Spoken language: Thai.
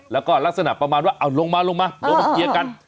แล้วก็ลักษณะประมาณว่าอ้าวลงมาลงมาเกียร์กัน